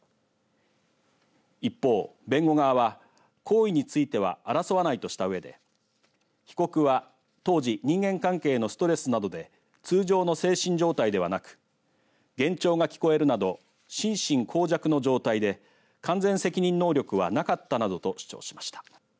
一方、弁護側は行為については争わないとしたうえで被告は当時人間関係のストレスなどで通常の精神状態ではなく幻聴が聞こえるなど心神耗弱の状態で完全責任能力はなかったなどと主張しました。